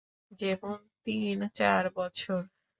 যেমন, তিন, চার বছর?